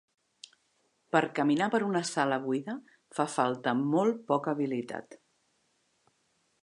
Per caminar per una sala buida fa falta molt poca habilitat.